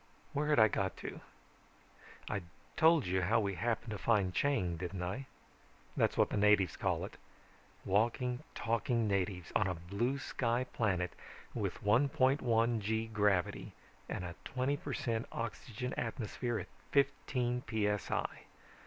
"Where had I got to? I'd told you how we happened to find Chang, hadn't I? That's what the natives called it. Walking, talking natives on a blue sky planet with 1.1 g gravity and a twenty per cent oxygen atmosphere at fifteen p.s.i.